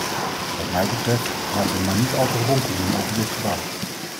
Wat mij betreft, laten we maar niet al te ronkend doen over dit gebouw.